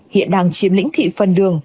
hiện đang chiếm lĩnh thị phân đường